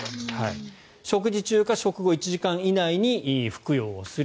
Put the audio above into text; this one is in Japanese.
食事中か食後１時間以内に服用をする。